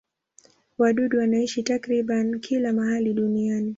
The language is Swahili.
Wadudu wanaishi takriban kila mahali duniani.